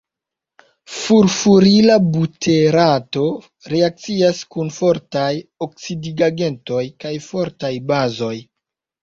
Furfurila buterato reakcias kun fortaj oksidigagentoj kaj fortaj bazoj.